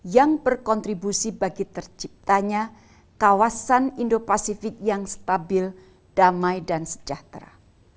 yang berkontribusi bagi terciptanya kawasan indo pasifik yang stabil damai dan sejahtera